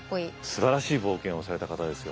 すばらしい冒険をされた方ですよ。